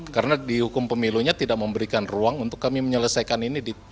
karena di hukum pemilunya tidak memberikan ruang untuk kami menyelesaikan ini